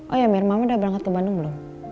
oh ya mir mama udah berangkat ke bandung belum